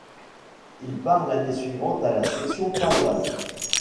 Il part l'année suivante à la Section paloise.